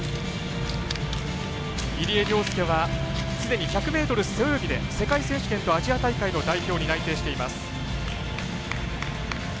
入江陵介はすでに１００ｍ背泳ぎで世界選手権とアジア大会の代表に内定しています。